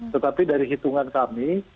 tetapi dari hitungan kami